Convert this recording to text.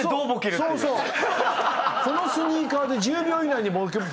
このスニーカーで１０秒以内にボケなきゃ。